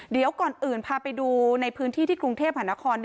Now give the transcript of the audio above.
เดี๋ยวก่อนอื่นพาไปดูในพื้นที่ที่กรุงเทพหานคร